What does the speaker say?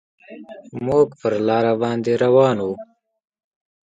موږ پر لاره باندې روان وو.